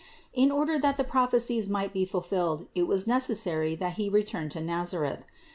In order that the prophecies might be fulfilled, it was necessary that He return to Nazareth.